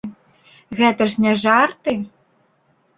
Гэта ж не жарты!